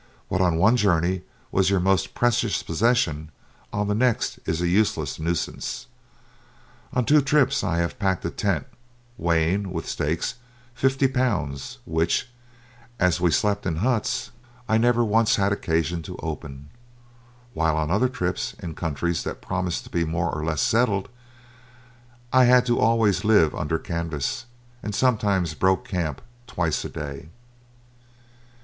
What on one journey was your most precious possession on the next is a useless nuisance. On two trips I have packed a tent weighing, with the stakes, fifty pounds, which, as we slept in huts, I never once had occasion to open; while on other trips in countries that promised to be more or less settled, I had to always live under canvas, and sometimes broke camp twice a day.